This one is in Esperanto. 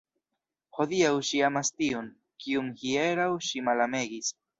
Hodiaŭ ŝi amas tiun, kiun hieraŭ ŝi malamegis!